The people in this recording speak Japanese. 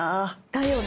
だよね。